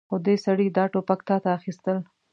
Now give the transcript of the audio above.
خو دې سړي دا ټوپک تاته اخيستل.